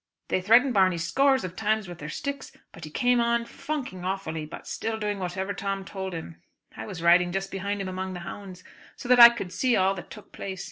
They threatened Barney scores of times with their sticks, but he came on, funking awfully, but still doing whatever Tom told him. I was riding just behind him among the hounds so that I could see all that took place.